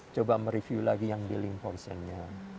coba mereview lagi yang dealing ponsennya